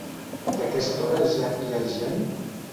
I a aquesta hora ja hi ha gent?